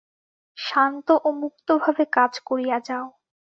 শান্ত ও মুক্তভাবে কাজ করিয়া যাও।